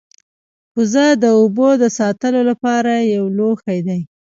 کوزه د اوبو د ساتلو لپاره یو لوښی دی